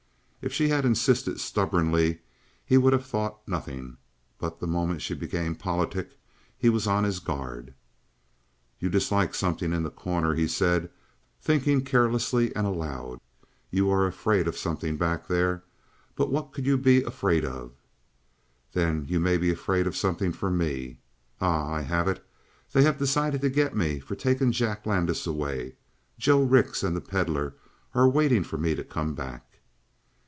If she had insisted stubbornly he would have thought nothing, but the moment she became politic he was on his guard. "You dislike something in The Corner," he said, thinking carelessly and aloud. "You are afraid of something back there. But what could you be afraid of? Then you may be afraid of something for me. Ah, I have it! They have decided to 'get' me for taking Jack Landis away; Joe Rix and the Pedlar are waiting for me to come back!"